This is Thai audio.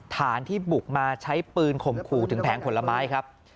ฐานที่บุกมาใช้ปืนข่มขู่ถึงแผงผลไม้ครับ